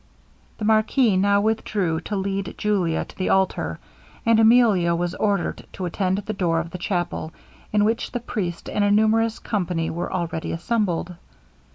The marquis now withdrew to lead Julia to the altar, and Emilia was ordered to attend at the door of the chapel, in which the priest and a numerous company were already assembled.